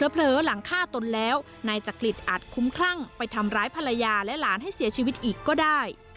เผลอหลังฆ่าตนแล้วนายจักริตอาจคุ้มคลั่งไปทำร้ายภรรยาและหลานให้เสียชีวิตอีกก็ได้